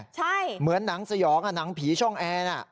ใช่เหมือนหนังสยองหนังผีช่องแอร์น่ะ